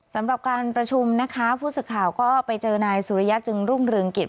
สำหรับการประชุมนะคะผู้สื่อข่าวก็ไปเจอนายสุริยะจึงรุ่งเรืองกิจ